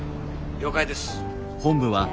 「了解です」。